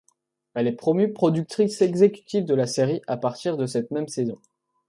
Elle est promue productrice exécutive de la série, à partir de cette même saison.